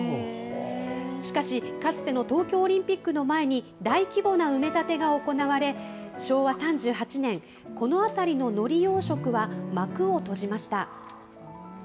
しかし、かつての東京オリンピックの前に、大規模な埋め立てが行われ、昭和３８年、この辺りののり養殖は、幕を閉じました。